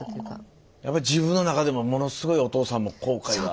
やっぱり自分の中でもものすごいお父さんも後悔が。